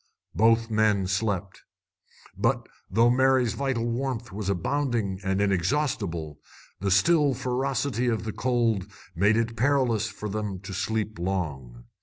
Both men slept. But, though Mary's vital warmth was abounding and inexhaustible, the still ferocity of the cold made it perilous for them to sleep long.